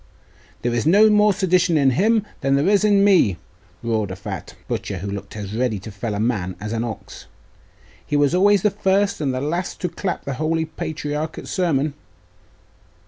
'There is no more sedition in him than there is in me,' roared a fat butcher, who looked as ready to fell a man as an ox. 'He was always the first and the last to clap the holy patriarch at sermon.